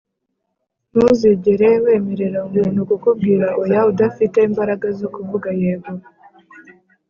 “ntuzigere wemerera umuntu kukubwira oya udafite imbaraga zo kuvuga yego.